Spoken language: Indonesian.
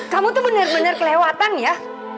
kamu tuh bener bener kelewatan ya